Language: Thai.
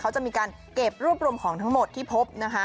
เขาจะมีการเก็บรวบรวมของทั้งหมดที่พบนะคะ